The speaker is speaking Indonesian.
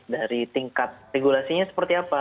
dari tingkat regulasinya seperti apa